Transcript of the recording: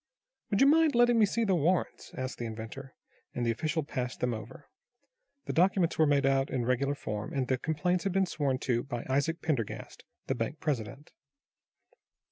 "Would you mind letting me see the warrants?" asked the inventor, and the official passed them over. The documents were made out in regular form, and the complaints had been sworn to by Isaac Pendergast, the bank president.